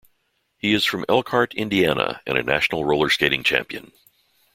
He is from Elkhart, Indiana and a national roller skating champion.